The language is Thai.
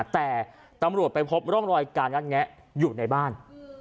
แต่ตำรวจไปพบร่องรอยการงัดแงะอยู่ในบ้าน